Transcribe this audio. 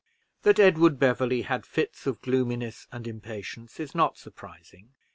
That Edward Beverley had fits of gloominess and impatience is not surprising.